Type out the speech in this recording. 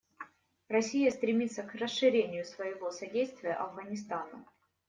Россия стремится к расширению своего содействия Афганистану.